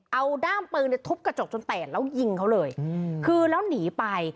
เอาด้ามปืนเนี่ยทุบกระจกจนเตะแล้วยิงเขาเลยคือแล้วหนีไป